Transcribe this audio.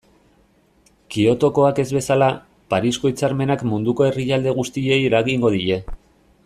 Kyotokoak ez bezala, Parisko hitzarmenak munduko herrialde guztiei eragingo die.